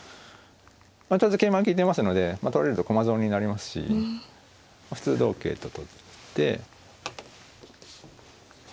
ちょうど桂馬が利いてますので取られると駒損になりますし普通同桂と取って。